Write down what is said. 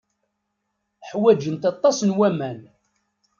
Ḥwajent aṭas n waman.